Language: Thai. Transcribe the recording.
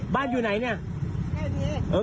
บ้านอยู่ไหนเนี่ย